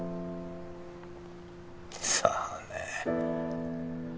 さあね。